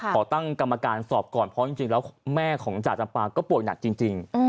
ขอตั้งกรรมการสอบก่อนเพราะจริงแล้วแม่ของจ่าจำปาก็ป่วยหนักจริง